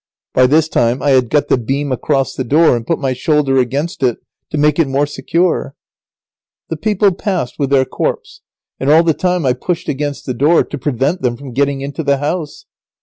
By this time I had got the beam across the door and put my shoulder against it, to make it more secure. [Sidenote: Lazaro barring the door.] The people passed with their corpse, and all the time I pushed against the door, to prevent them from getting into the house.